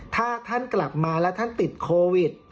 ถ้าท่านกลับมาแล้วท่านติดโควิด